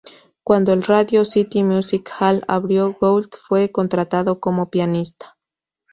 Cuando el Radio City Music Hall abrió, Gould fue contratado como pianista.